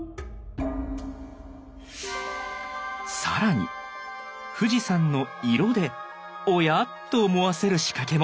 更に富士山の「色」で「おや？」と思わせる仕掛けも。